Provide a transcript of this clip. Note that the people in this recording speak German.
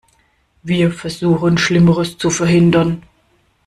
Wir versuchen, Schlimmeres zu verhindern.